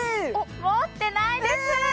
持ってないですえ！